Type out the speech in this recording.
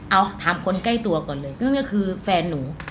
เอาถามคนใกล้ตัวก่อนเลยเรื่องนี้คือแฟนหนู